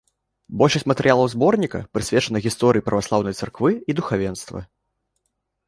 Большасць матэрыялаў зборніка прысвечана гісторыі праваслаўнай царквы і духавенства.